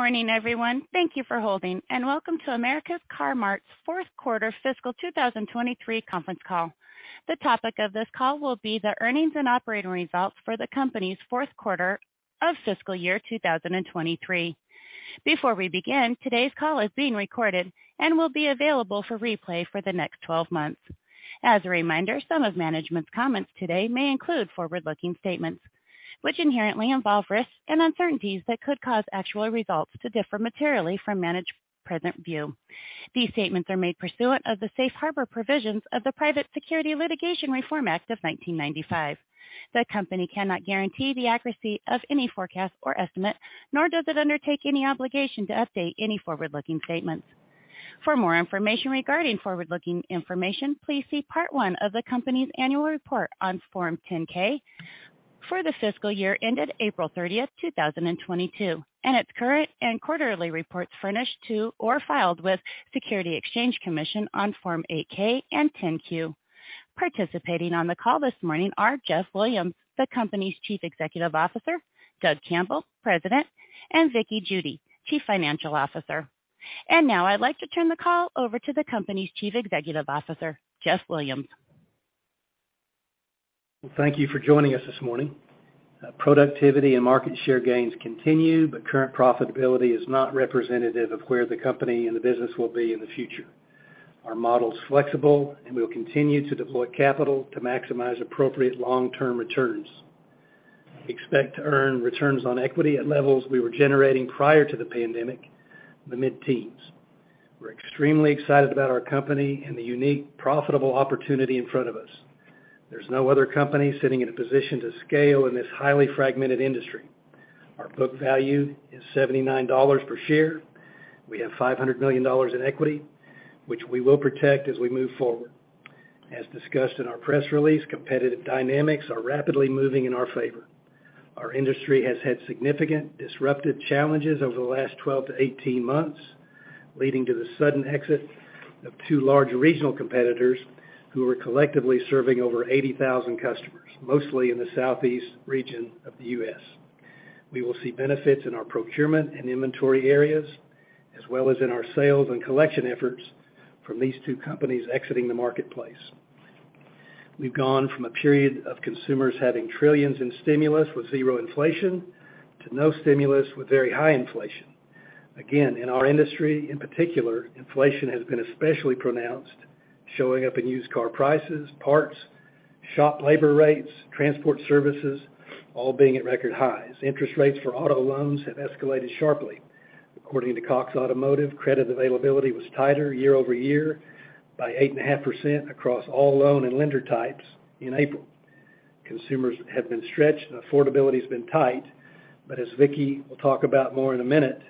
Good morning, everyone. Thank you for holding and welcome to America's Car-Mart's fourth quarter fiscal 2023 conference call. The topic of this call will be the earnings and operating results for the company's fourth quarter of fiscal year 2023. Before we begin, today's call is being recorded and will be available for replay for the next 12 months. As a reminder, some of management's comments today may include forward-looking statements, which inherently involve risks and uncertainties that could cause actual results to differ materially from management's present view. These statements are made pursuant of the safe harbor provisions of the Private Securities Litigation Reform Act of 1995. The company cannot guarantee the accuracy of any forecast or estimate, nor does it undertake any obligation to update any forward-looking statements. For more information regarding forward-looking information, please see Part 1 of the company's annual report on Form 10-K for the fiscal year ended April 30th, 2022, and its current and quarterly reports furnished to, or filed with, Securities and Exchange Commission on Form 8-K and 10-Q. Participating on the call this morning are Jeff Williams, the company's Chief Executive Officer, Doug Campbell, President, and Vickie Judy, Chief Financial Officer. Now I'd like to turn the call over to the company's Chief Executive Officer, Jeff Williams. Thank you for joining us this morning. Productivity and market share gains continue, but current profitability is not representative of where the company and the business will be in the future. Our model is flexible, and we'll continue to deploy capital to maximize appropriate long-term returns. Expect to earn returns on equity at levels we were generating prior to the pandemic, the mid-teens. We're extremely excited about our company and the unique, profitable opportunity in front of us. There's no other company sitting in a position to scale in this highly fragmented industry. Our book value is $79 per share. We have $500 million in equity, which we will protect as we move forward. As discussed in our press release, competitive dynamics are rapidly moving in our favor. Our industry has had significant disruptive challenges over the last 12 to 18 months, leading to the sudden exit of two large regional competitors who are collectively serving over 80,000 customers, mostly in the Southeast region of the U.S. We will see benefits in our procurement and inventory areas, as well as in our sales and collection efforts from these two companies exiting the marketplace. We've gone from a period of consumers having trillions in stimulus with zero inflation to no stimulus with very high inflation. In our industry, in particular, inflation has been especially pronounced, showing up in used car prices, parts, shop labor rates, transport services, all being at record highs. Interest rates for auto loans have escalated sharply. According to Cox Automotive, credit availability was tighter year-over-year by 8.5% across all loan and lender types in April. Consumers have been stretched, affordability has been tight. As Vickie will talk about more in a minute,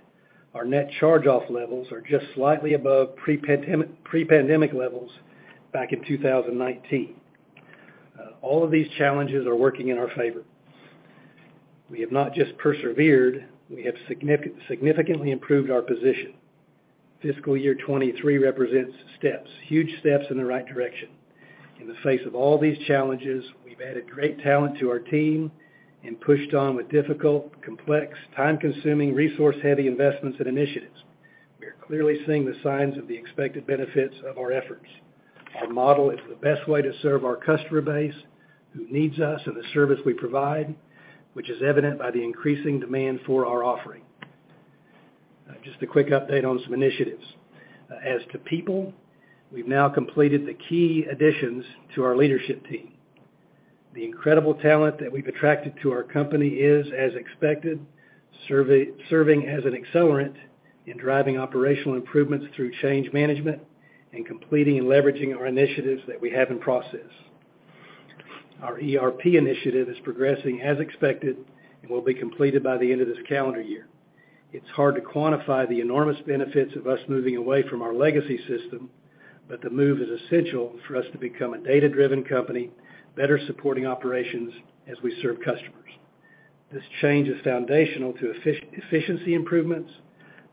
our net charge-off levels are just slightly above pre-pandemic levels back in 2019. All of these challenges are working in our favor. We have not just persevered, we have significantly improved our position. Fiscal year 2023 represents steps, huge steps in the right direction. In the face of all these challenges, we've added great talent to our team and pushed on with difficult, complex, time-consuming, resource-heavy investments and initiatives. We are clearly seeing the signs of the expected benefits of our efforts. Our model is the best way to serve our customer base who needs us and the service we provide, which is evident by the increasing demand for our offering. Just a quick update on some initiatives. As to people, we've now completed the key additions to our leadership team. The incredible talent that we've attracted to our company is, as expected, serving as an accelerant in driving operational improvements through change management and completing and leveraging our initiatives that we have in process. Our ERP initiative is progressing as expected and will be completed by the end of this calendar year. It's hard to quantify the enormous benefits of us moving away from our legacy system, but the move is essential for us to become a data-driven company, better supporting operations as we serve customers. This change is foundational to efficiency improvements,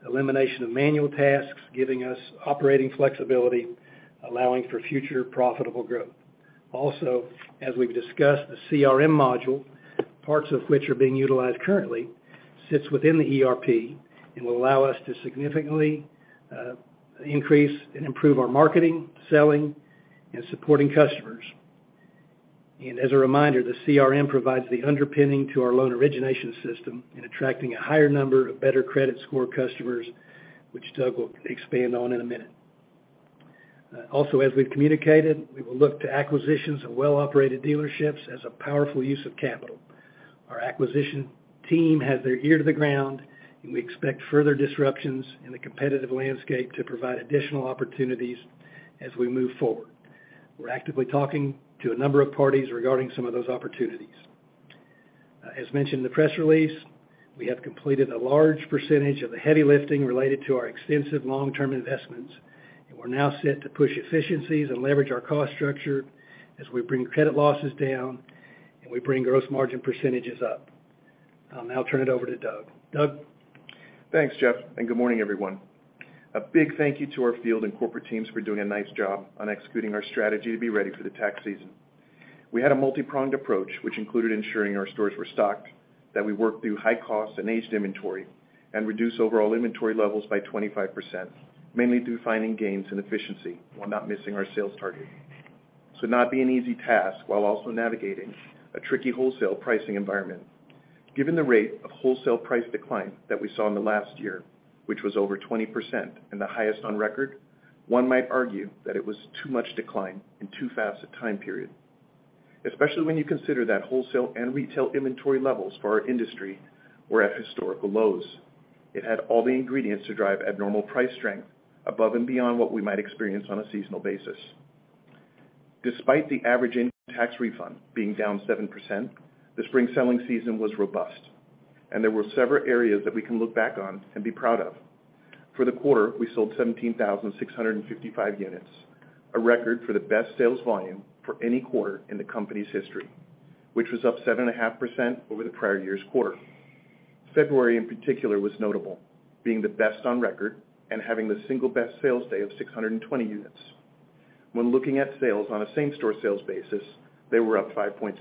elimination of manual tasks, giving us operating flexibility, allowing for future profitable growth. Also, as we've discussed, the CRM module, parts of which are being utilized currently, sits within the ERP and will allow us to significantly increase and improve our marketing, selling, and supporting customers. As a reminder, the CRM provides the underpinning to our loan origination system in attracting a higher number of better credit score customers, which Doug will expand on in a minute. Also, as we've communicated, we will look to acquisitions of well-operated dealerships as a powerful use of capital. Our acquisition team has their ear to the ground, and we expect further disruptions in the competitive landscape to provide additional opportunities as we move forward. We're actively talking to a number of parties regarding some of those opportunities. As mentioned in the press release, we have completed a large percentage of the heavy lifting related to our extensive long-term investments, and we're now set to push efficiencies and leverage our cost structure as we bring credit losses down and we bring gross margin percentages up. I'll now turn it over to Doug. Doug? Thanks, Jeff, and good morning, everyone. A big thank you to our field and corporate teams for doing a nice job on executing our strategy to be ready for the tax season. We had a multi-pronged approach, which included ensuring our stores were stocked, that we worked through high costs and aged inventory, and reduce overall inventory levels by 25%, mainly through finding gains in efficiency while not missing our sales target. Not be an easy task while also navigating a tricky wholesale pricing environment. Given the rate of wholesale price decline that we saw in the last year, which was over 20% and the highest on record, one might argue that it was too much decline in too fast a time period, especially when you consider that wholesale and retail inventory levels for our industry were at historical lows. It had all the ingredients to drive abnormal price strength above and beyond what we might experience on a seasonal basis. Despite the average income tax refund being down 7%, the spring selling season was robust. There were several areas that we can look back on and be proud of. For the quarter, we sold 17,655 units, a record for the best sales volume for any quarter in the company's history, which was up 7.5% over the prior year's quarter. February, in particular, was notable, being the best on record and having the single best sales day of 620 units. When looking at sales on a same-store sales basis, they were up 5.6%.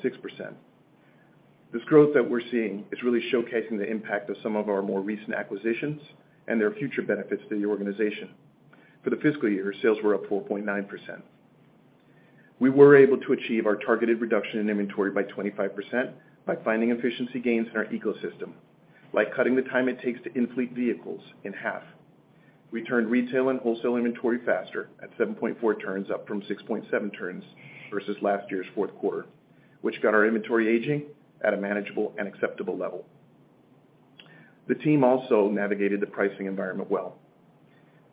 This growth that we're seeing is really showcasing the impact of some of our more recent acquisitions and their future benefits to the organization. For the fiscal year, sales were up 4.9%. We were able to achieve our targeted reduction in inventory by 25% by finding efficiency gains in our ecosystem, like cutting the time it takes to in-fleet vehicles in half. We turned retail and wholesale inventory faster at 7.4 turns, up from 6.7 turns versus last year's fourth quarter, which got our inventory aging at a manageable and acceptable level. The team also navigated the pricing environment well.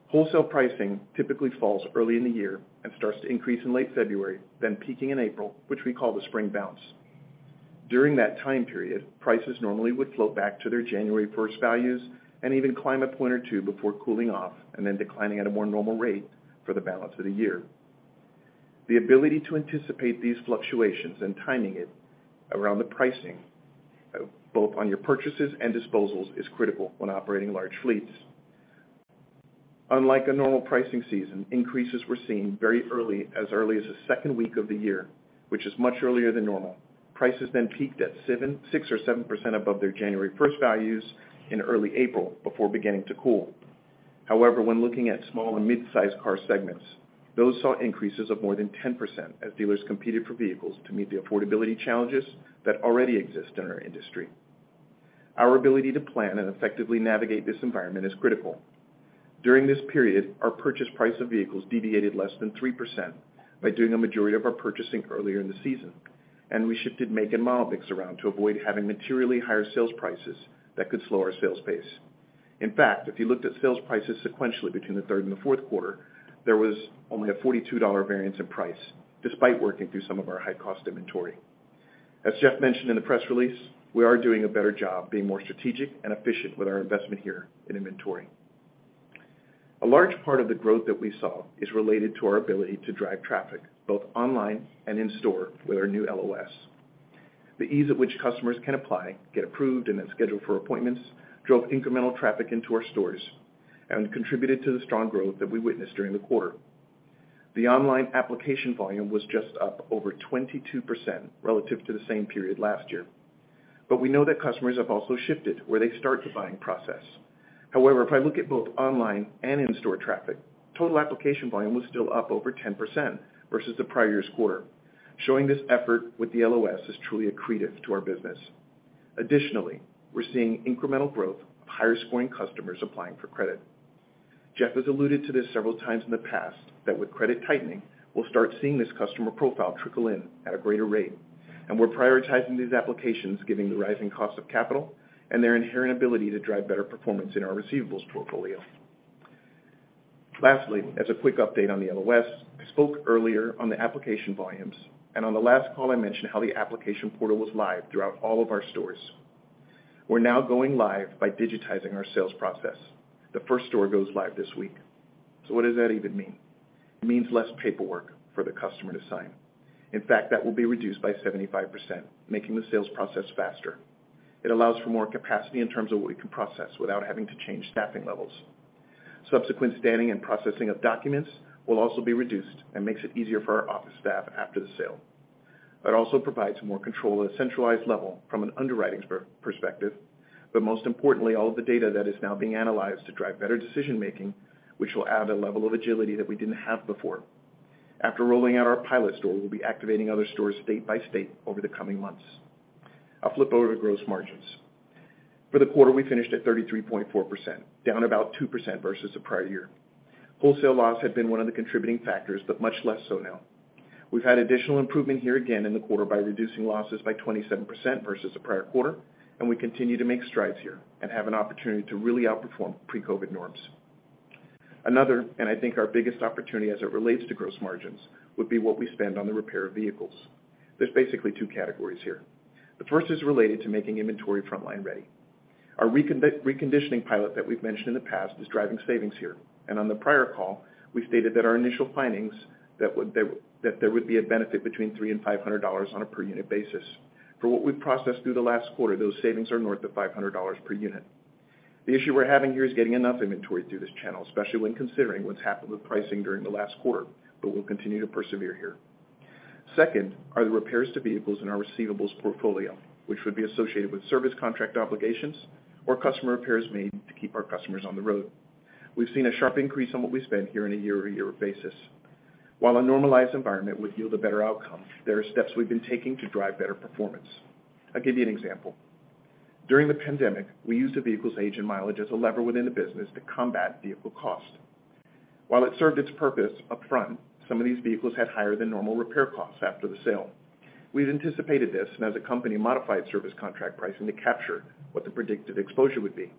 Wholesale pricing typically falls early in the year and starts to increase in late February, peaking in April, which we call the spring bounce. During that time period, prices normally would float back to their January first values and even climb a point or two before cooling off and then declining at a more normal rate for the balance of the year. The ability to anticipate these fluctuations and timing it around the pricing, both on your purchases and disposals, is critical when operating large fleets. Unlike a normal pricing season, increases were seen very early, as early as the second week of the year, which is much earlier than normal. Prices then peaked at 6% or 7% above their January first values in early April before beginning to cool. However, when looking at small and mid-sized car segments, those saw increases of more than 10% as dealers competed for vehicles to meet the affordability challenges that already exist in our industry. Our ability to plan and effectively navigate this environment is critical. During this period, our purchase price of vehicles deviated less than 3% by doing a majority of our purchasing earlier in the season. We shifted make and model mix around to avoid having materially higher sales prices that could slow our sales pace. In fact, if you looked at sales prices sequentially between the third and the fourth quarter, there was only a $42 variance in price, despite working through some of our high-cost inventory. As Jeff mentioned in the press release, we are doing a better job being more strategic and efficient with our investment here in inventory. A large part of the growth that we saw is related to our ability to drive traffic, both online and in-store with our new LOS. The ease at which customers can apply, get approved, and then scheduled for appointments drove incremental traffic into our stores and contributed to the strong growth that we witnessed during the quarter. The online application volume was just up over 22% relative to the same period last year. We know that customers have also shifted where they start the buying process. If I look at both online and in-store traffic, total application volume was still up over 10% versus the prior year's quarter, showing this effort with the LOS is truly accretive to our business. Additionally, we're seeing incremental growth of higher-scoring customers applying for credit. Jeff has alluded to this several times in the past that with credit tightening, we'll start seeing this customer profile trickle in at a greater rate, and we're prioritizing these applications giving the rising cost of capital and their inherent ability to drive better performance in our receivables portfolio. Lastly, as a quick update on the LOS, I spoke earlier on the application volumes, and on the last call, I mentioned how the application portal was live throughout all of our stores. We're now going live by digitizing our sales process. The first store goes live this week. What does that even mean? It means less paperwork for the customer to sign. In fact, that will be reduced by 75%, making the sales process faster. It allows for more capacity in terms of what we can process without having to change staffing levels. Subsequent standing and processing of documents will also be reduced and makes it easier for our office staff after the sale. It also provides more control at a centralized level from an underwriting perspective, but most importantly, all of the data that is now being analyzed to drive better decision-making, which will add a level of agility that we didn't have before. After rolling out our pilot store, we'll be activating other stores state by state over the coming months. I'll flip over to gross margins. For the quarter, we finished at 33.4%, down about 2% versus the prior year. Wholesale loss had been one of the contributing factors, but much less so now. We've had additional improvement here again in the quarter by reducing losses by 27% versus the prior quarter. We continue to make strides here and have an opportunity to really outperform pre-COVID norms. Another, I think our biggest opportunity as it relates to gross margins, would be what we spend on the repair of vehicles. There's basically two categories here. The first is related to making inventory frontline ready. Our reconditioning pilot that we've mentioned in the past is driving savings here. On the prior call, we stated that our initial findings that there would be a benefit between $300 and $500 on a per-unit basis. For what we've processed through the last quarter, those savings are north of $500 per unit. The issue we're having here is getting enough inventory through this channel, especially when considering what's happened with pricing during the last quarter. We'll continue to persevere here. Second are the repairs to vehicles in our receivables portfolio, which would be associated with service contract obligations or customer repairs made to keep our customers on the road. We've seen a sharp increase on what we spend here on a year-over-year basis. While a normalized environment would yield a better outcome, there are steps we've been taking to drive better performance. I'll give you an example. During the pandemic, we used the vehicle's age and mileage as a lever within the business to combat vehicle cost. While it served its purpose upfront, some of these vehicles had higher than normal repair costs after the sale. We've anticipated this, and as a company, modified service contract pricing to capture what the predicted exposure would be.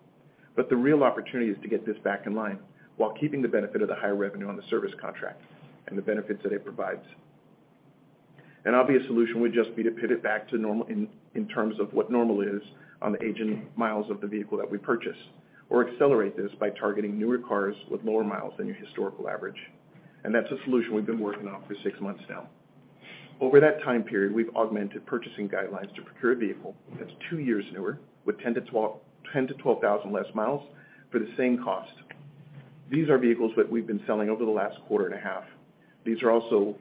The real opportunity is to get this back in line while keeping the benefit of the higher revenue on the service contract and the benefits that it provides. An obvious solution would just be to pivot back to normal in terms of what normal is on the age and miles of the vehicle that we purchase or accelerate this by targeting newer cars with lower miles than your historical average. That's a solution we've been working on for six months now. Over that time period, we've augmented purchasing guidelines to procure a vehicle that's two years newer with 10,000-12,000 less miles for the same cost. These are vehicles that we've been selling over the last quarter and a half. These are also,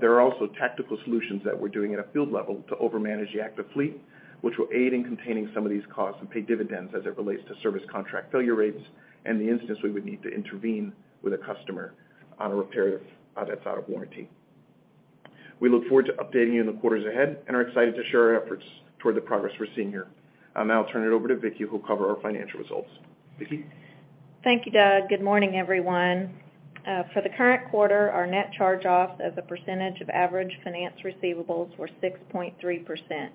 there are also tactical solutions that we're doing at a field level to overmanage the active fleet, which will aid in containing some of these costs and pay dividends as it relates to service contract failure rates and the instance we would need to intervene with a customer on a repair that's out of warranty. We look forward to updating you in the quarters ahead and are excited to share our efforts toward the progress we're seeing here. I'll now turn it over to Vickie, who'll cover our financial results. Vickie? Thank you, Doug. Good morning, everyone. For the current quarter, our net charge-offs as a percentage of average finance receivables were 6.3%,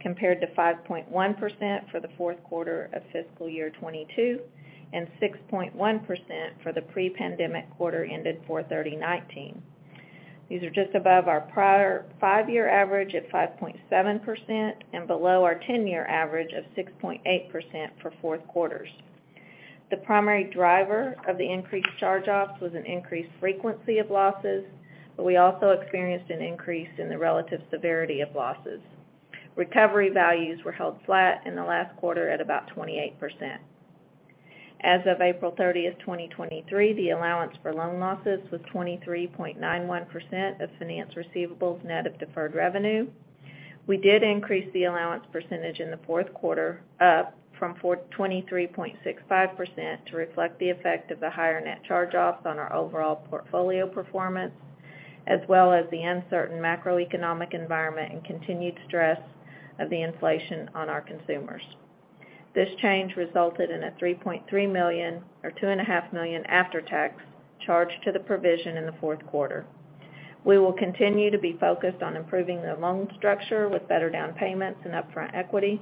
compared to 5.1% for the fourth quarter of fiscal year 2022, and 6.1% for the pre-pandemic quarter ended 4/30/2019. These are just above our prior five-year average at 5.7% and below our 10-year average of 6.8% for fourth quarters. The primary driver of the increased charge-offs was an increased frequency of losses, but we also experienced an increase in the relative severity of losses. Recovery values were held flat in the last quarter at about 28%. As of April 30th, 2023, the allowance for loan losses was 23.91% of finance receivables net of deferred revenue. We did increase the allowance percentage in the fourth quarter up from 23.65% to reflect the effect of the higher net charge-offs on our overall portfolio performance, as well as the uncertain macroeconomic environment and continued stress of the inflation on our consumers. This change resulted in a $3.3 million or $2.5 million after-tax charge to the provision in the fourth quarter. We will continue to be focused on improving the loan structure with better down payments and upfront equity.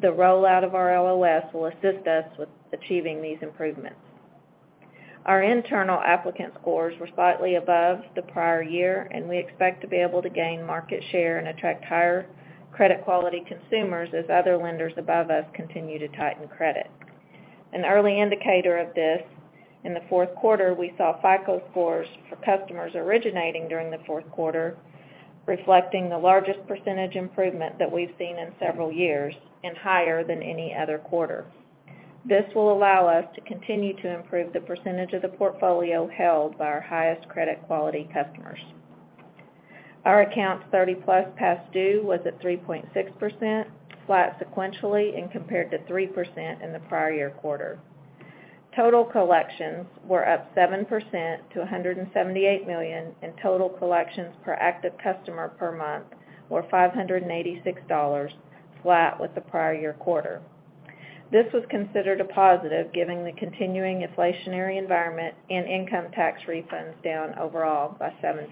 The rollout of our LOS will assist us with achieving these improvements. Our internal applicant scores were slightly above the prior year, and we expect to be able to gain market share and attract higher credit quality consumers as other lenders above us continue to tighten credit. An early indicator of this, in the fourth quarter, we saw FICO scores for customers originating during the fourth quarter, reflecting the largest percent improvement that we've seen in several years and higher than any other quarter. This will allow us to continue to improve the percent of the portfolio held by our highest credit quality customers. Our accounts 30+ past due was at 3.6%, flat sequentially, and compared to 3% in the prior year quarter. Total collections were up 7% to $178 million. Total collections per active customer per month were $586, flat with the prior year quarter. This was considered a positive given the continuing inflationary environment and income tax refunds down overall by 7%.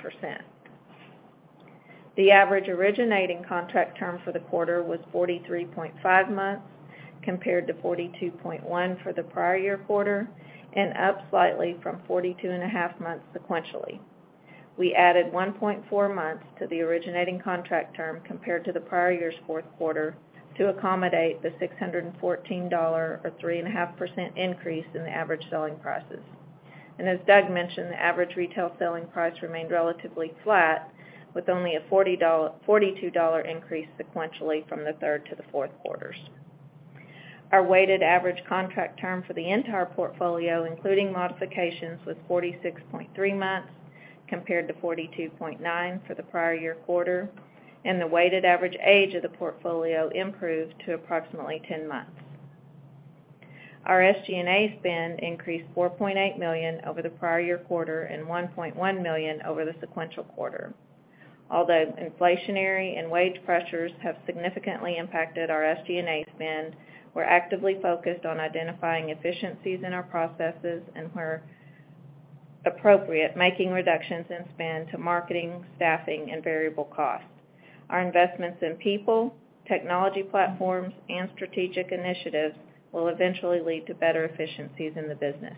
The average originating contract term for the quarter was 43.5 months, compared to 42.1 for the prior year quarter, and up slightly from 42.5 months sequentially. We added 1.4 months to the originating contract term compared to the prior year's fourth quarter to accommodate the $614 or 3.5% increase in the average selling prices. As Doug mentioned, the average retail selling price remained relatively flat with only a $42 increase sequentially from the third to the fourth quarters. Our weighted average contract term for the entire portfolio, including modifications, was 46.3 months, compared to 42.9 for the prior year quarter, and the weighted average age of the portfolio improved to approximately 10 months. Our SG&A spend increased $4.8 million over the prior-year quarter and $1.1 million over the sequential quarter. Although inflationary and wage pressures have significantly impacted our SG&A spend, we're actively focused on identifying efficiencies in our processes and where appropriate, making reductions in spend to marketing, staffing, and variable costs. Our investments in people, technology platforms, and strategic initiatives will eventually lead to better efficiencies in the business.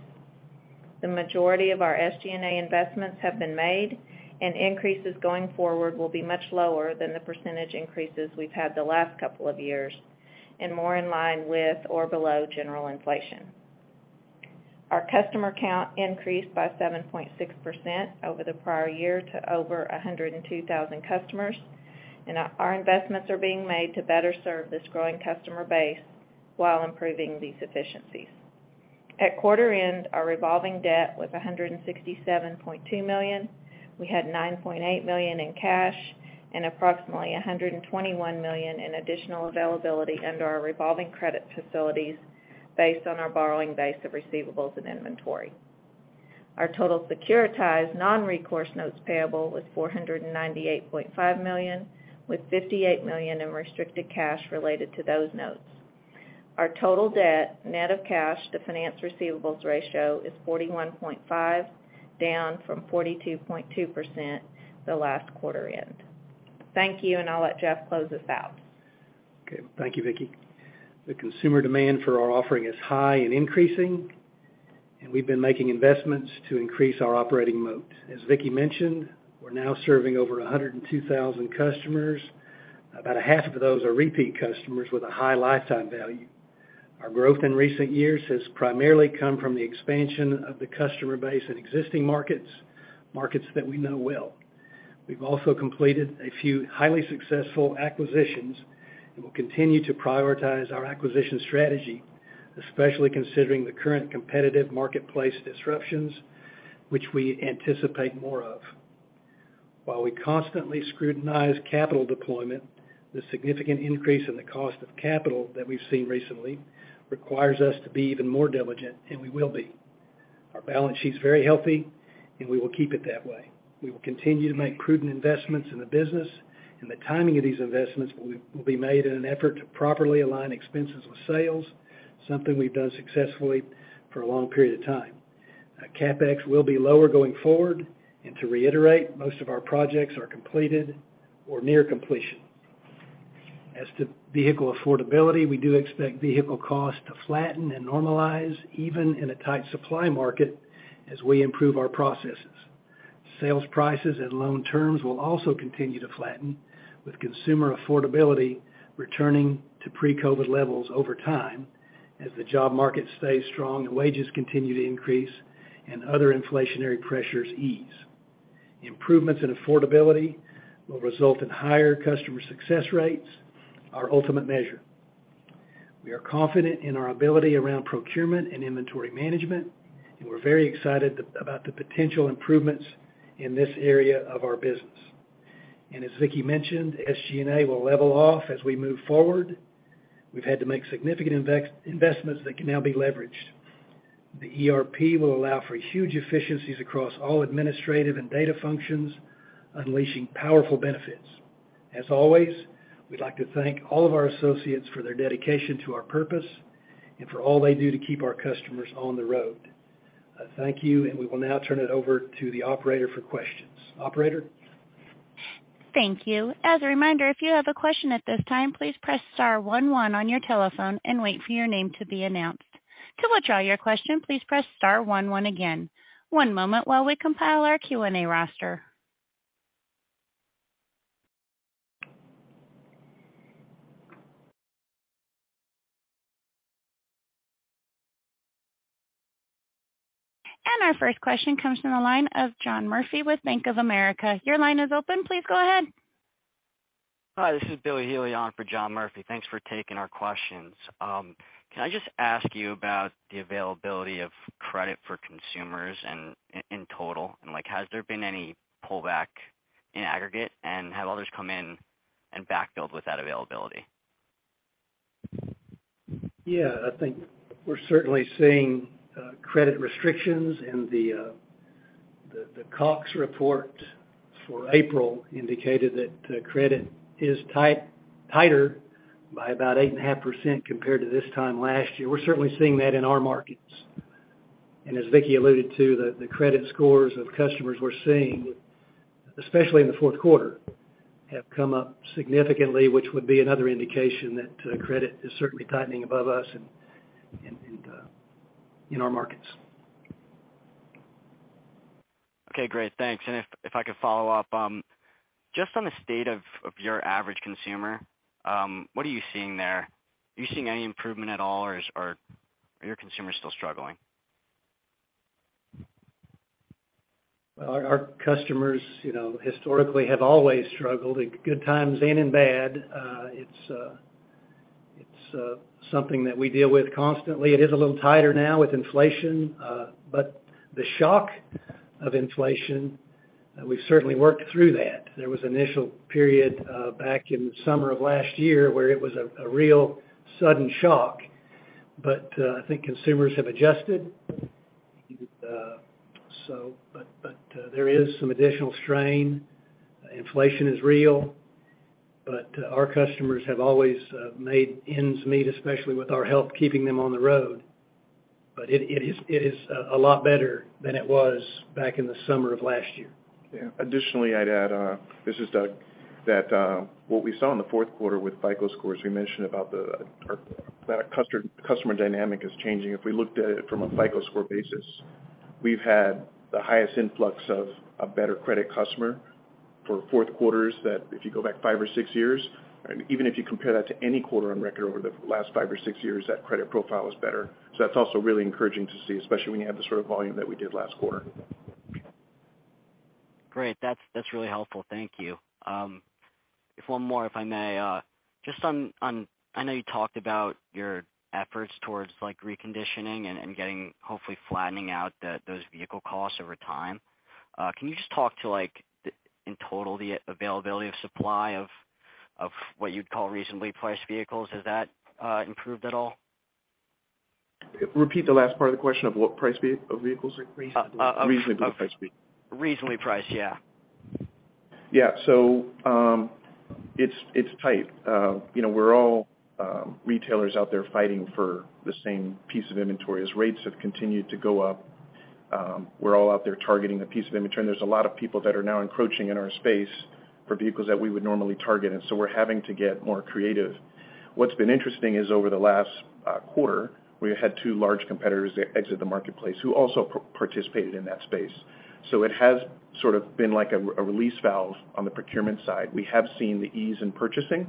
The majority of our SG&A investments have been made, and increases going forward will be much lower than the % increases we've had the last couple of years and more in line with or below general inflation. Our customer count increased by 7.6% over the prior year to over 102,000 customers. Our investments are being made to better serve this growing customer base while improving these efficiencies. At quarter end, our revolving debt was $167.2 million. We had $9.8 million in cash and approximately $121 million in additional availability under our revolving credit facilities based on our borrowing base of receivables and inventory. Our total securitized non-recourse notes payable was $498.5 million, with $58 million in restricted cash related to those notes. Our total debt, net of cash to finance receivables ratio is 41.5%, down from 42.2% the last quarter end. Thank you. I'll let Jeff close us out. Okay. Thank you, Vickie. The consumer demand for our offering is high and increasing, and we've been making investments to increase our operating moat. As Vickie mentioned, we're now serving over 102,000 customers. About 1/2 of those are repeat customers with a high lifetime value. Our growth in recent years has primarily come from the expansion of the customer base in existing markets that we know well. We've also completed a few highly successful acquisitions, and we'll continue to prioritize our acquisition strategy, especially considering the current competitive marketplace disruptions, which we anticipate more of. While we constantly scrutinize capital deployment, the significant increase in the cost of capital that we've seen recently requires us to be even more diligent, and we will be. Our balance sheet's very healthy, and we will keep it that way. We will continue to make prudent investments in the business. The timing of these investments will be made in an effort to properly align expenses with sales, something we've done successfully for a long period of time. CapEx will be lower going forward, and to reiterate, most of our projects are completed or near completion. As to vehicle affordability, we do expect vehicle costs to flatten and normalize even in a tight supply market as we improve our processes. Sales prices and loan terms will also continue to flatten, with consumer affordability returning to pre-COVID levels over time as the job market stays strong and wages continue to increase and other inflationary pressures ease. Improvements in affordability will result in higher customer success rates, our ultimate measure. We are confident in our ability around procurement and inventory management, and we're very excited about the potential improvements in this area of our business. As Vickie mentioned, SG&A will level off as we move forward. We've had to make significant investments that can now be leveraged. The ERP will allow for huge efficiencies across all administrative and data functions, unleashing powerful benefits. As always, we'd like to thank all of our associates for their dedication to our purpose and for all they do to keep our customers on the road. Thank you. We will now turn it over to the operator for questions. Operator? Thank you. As a reminder, if you have a question at this time, please press star one one on your telephone and wait for your name to be announced. To withdraw your question, please press star one one again. One moment while we compile our Q&A roster. Our first question comes from the line of John Murphy with Bank of America. Your line is open. Please go ahead. Hi, this is Billy Healey on for John Murphy. Thanks for taking our questions. Can I just ask you about the availability of credit for consumers in total? Like, has there been any pullback in aggregate, and have others come in and backfilled with that availability? Yeah, I think we're certainly seeing credit restrictions, and the Cox report for April indicated that credit is tighter by about 8.5% compared to this time last year. We're certainly seeing that in our markets. As Vickie alluded to, the credit scores of customers we're seeing, especially in the fourth quarter, have come up significantly, which would be another indication that credit is certainly tightening above us and in our markets. Okay, great. Thanks. If I could follow up, just on the state of your average consumer, what are you seeing there? Are you seeing any improvement at all, or are your consumers still struggling? Well, our customers, you know, historically have always struggled in good times and in bad. It's something that we deal with constantly. It is a little tighter now with inflation, but the shock of inflation, we've certainly worked through that. There was initial period back in the summer of last year where it was a real sudden shock. I think consumers have adjusted. There is some additional strain. Inflation is real. Our customers have always made ends meet, especially with our help keeping them on the road. It is a lot better than it was back in the summer of last year. Yeah. Additionally, I'd add, this is Doug, that what we saw in the fourth quarter with FICO scores, we mentioned about our, that customer dynamic is changing. If we looked at it from a FICO score basis. We've had the highest influx of a better credit customer for fourth quarters that if you go back five or six years, even if you compare that to any quarter on record over the last five or six years, that credit profile is better. That's also really encouraging to see, especially when you have the sort of volume that we did last quarter. Great. That's, that's really helpful. Thank you. One more, if I may. Just on, I know you talked about your efforts towards like, reconditioning and getting hopefully flattening out those vehicle costs over time. Can you just talk to like the, in total, the availability of supply of what you'd call reasonably priced vehicles? Has that improved at all? Repeat the last part of the question of what price of vehicles increased. Reasonably priced vehicles. Reasonably priced, yeah. it's tight. you know, we're all retailers out there fighting for the same piece of inventory. As rates have continued to go up, we're all out there targeting a piece of inventory, and there's a lot of people that are now encroaching in our space for vehicles that we would normally target, and so we're having to get more creative. What's been interesting is over the last quarter, we had two large competitors exit the marketplace who also participated in that space. It has sort of been like a release valve on the procurement side. We have seen the ease in purchasing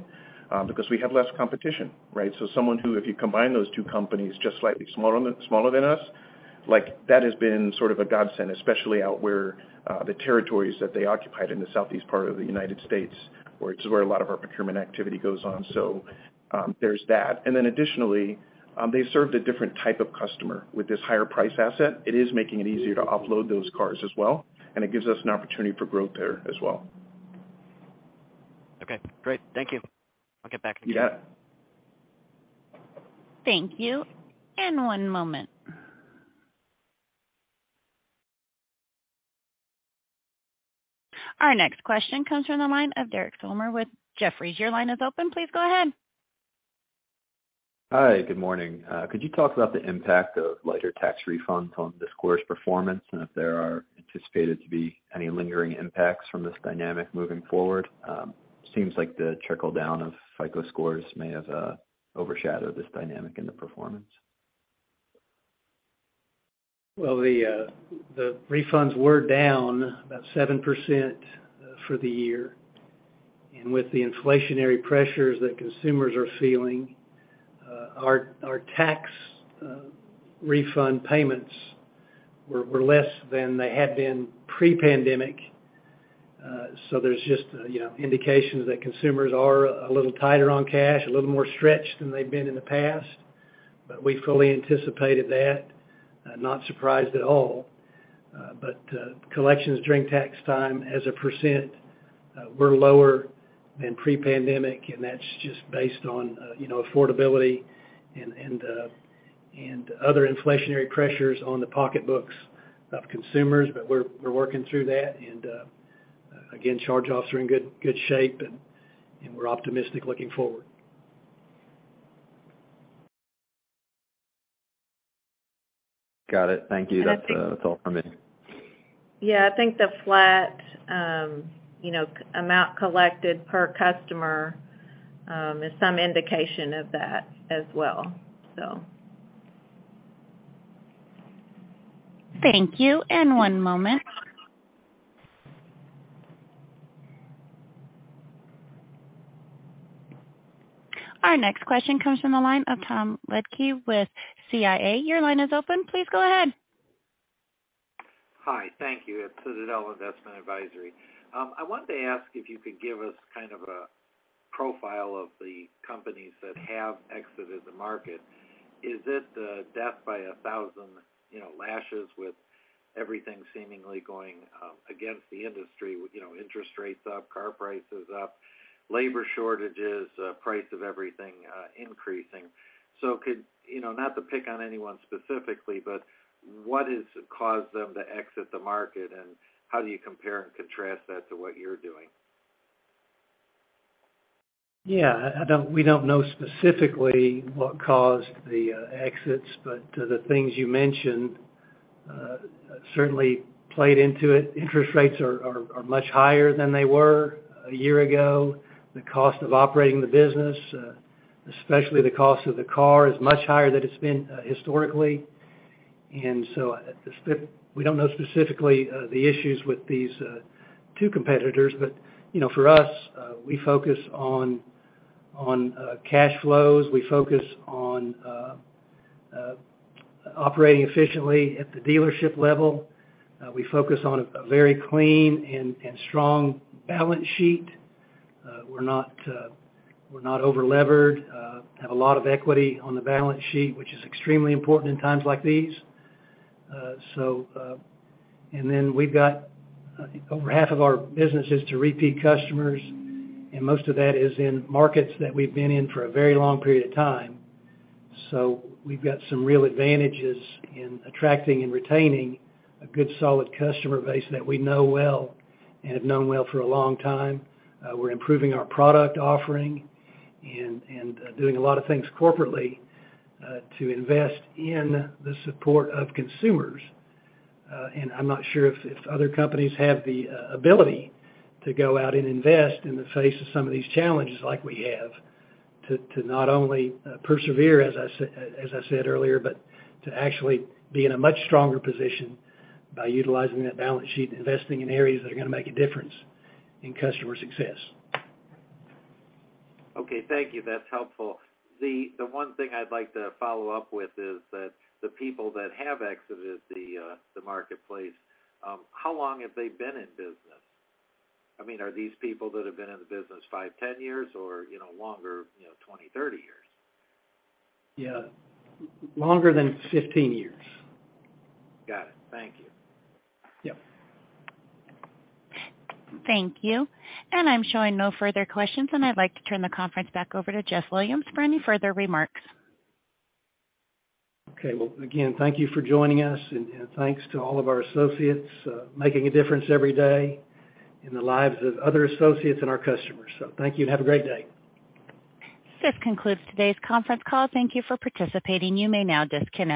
because we have less competition, right? Someone who, if you combine those two companies just slightly smaller than us, like that has been sort of a godsend, especially out where the territories that they occupied in the southeast part of the United States, where it's where a lot of our procurement activity goes on. There's that. Additionally, they served a different type of customer. With this higher price asset, it is making it easier to offload those cars as well, and it gives us an opportunity for growth there as well. Okay, great. Thank you. I'll get back to you. Yeah. Thank you. One moment. Our next question comes from the line of John Hecht with Jefferies. Your line is open. Please go ahead. Hi. Good morning. Could you talk about the impact of lighter tax refunds on this quarter's performance, and if there are anticipated to be any lingering impacts from this dynamic moving forward? Seems like the trickle-down of FICO scores may have overshadowed this dynamic in the performance. The refunds were down about 7% for the year. With the inflationary pressures that consumers are feeling, our tax refund payments were less than they had been pre-pandemic. There's just, you know, indications that consumers are a little tighter on cash, a little more stretched than they've been in the past, but we fully anticipated that. Not surprised at all. Collections during tax time as a percent were lower than pre-pandemic, that's just based on, you know, affordability and other inflationary pressures on the pocketbooks of consumers. We're working through that. Again, charge-offs are in good shape and we're optimistic looking forward. Got it. Thank you. I think. That's. That's all from me. I think the flat, you know, amount collected per customer, is some indication of that as well, so. Thank you. One moment. Our next question comes from the line of Kyle Joseph with Jefferies. Your line is open. Please go ahead. Hi. Thank you. At Citadel Investment Advisors. I wanted to ask if you could give us kind of a profile of the companies that have exited the market. Is it the death by 1,000, you know, lashes with everything seemingly going against the industry, with, you know, interest rates up, car prices up, labor shortages, price of everything increasing? You know, not to pick on anyone specifically, but what has caused them to exit the market, and how do you compare and contrast that to what you're doing? Yeah. I don't. We don't know specifically what caused the exits, but the things you mentioned certainly played into it. Interest rates are much higher than they were a year ago. The cost of operating the business especially the cost of the car is much higher than it's been historically. We don't know specifically the issues with these two competitors. You know, for us we focus on cash flows. We focus on operating efficiently at the dealership level. We focus on a very clean and strong balance sheet. We're not over-levered. Have a lot of equity on the balance sheet, which is extremely important in times like these. We've got over half of our business is to repeat customers, and most of that is in markets that we've been in for a very long period of time. We've got some real advantages in attracting and retaining a good, solid customer base that we know well and have known well for a long time. We're improving our product offering and doing a lot of things corporately to invest in the support of consumers. I'm not sure if other companies have the ability to go out and invest in the face of some of these challenges like we have, to not only persevere, as I said earlier, but to actually be in a much stronger position by utilizing that balance sheet and investing in areas that are gonna make a difference in customer success. Okay. Thank you. That's helpful. The one thing I'd like to follow up with is that the people that have exited the marketplace, how long have they been in business? I mean, are these people that have been in the business five, 10 years or, you know, longer, you know, 20, 30 years? Yeah. Longer than 15 years. Got it. Thank you. Yep. Thank you. I'm showing no further questions, and I'd like to turn the conference back over to Jeff Williams for any further remarks. Okay. Well, again, thank you for joining us and thanks to all of our associates making a difference every day in the lives of other associates and our customers. Thank you and have a great day. This concludes today's conference call. Thank you for participating. You may now disconnect.